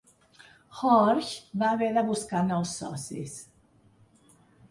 Horch va haver de buscar nous socis.